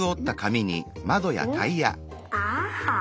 ああ！